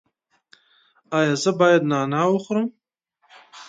ایا زه باید نعناع وخورم؟